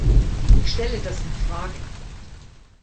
Ich stelle das in Frage.